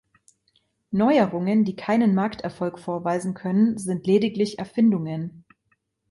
Neuerungen, die keinen Markterfolg vorweisen können, sind lediglich Erfindungen.